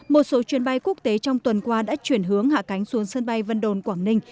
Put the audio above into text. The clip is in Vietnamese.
một số chuyến bay quốc tế trong tuần qua đã chuyển hướng hạ cánh xuống sân bay vân đồn quảng ninh